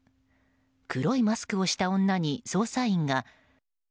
黒いマスクをした女に捜査員が。